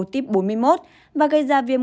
tiếp bốn mươi một và gây ra viêm